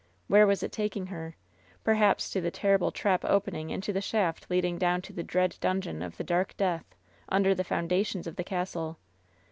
Where was it taking her? Perhaps to the terrible trap opening into the shaft leading down to the dread Dungeon of the Dark Death, under the foundations of the castle.